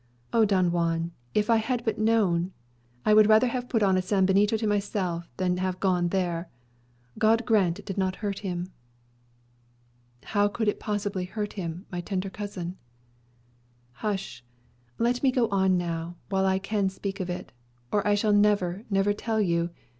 O Don Juan, if I had but known! I would rather have put on a sanbenito myself than have gone there. God grant it did not hurt him!" "How could it possibly hurt him, my tender hearted cousin?" "Hush! Let me go on now, while I can speak of it; or I shall never, never tell you.